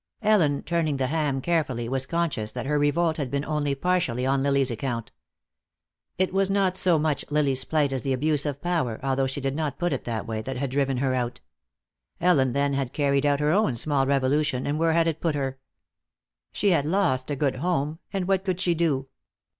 Ellen, turning the ham carefully, was conscious that her revolt had been only partially on Lily's account. It was not so much Lily's plight as the abuse of power, although she did not put it that way, that had driven her out. Ellen then had carried out her own small revolution, and where had it put her? She had lost a good home, and what could she do?